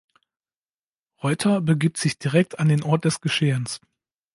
Reuther begibt sich direkt an den Ort des Geschehens.